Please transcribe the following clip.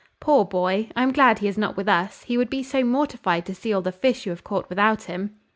Poor boy! I am glad he is not with us, he would be so mortified to see all the fish you have caught without him!"